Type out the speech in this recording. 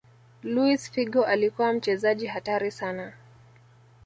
luis figo alikuwa mchezaji hatari sana